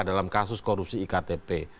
dalam kasus korupsi iktp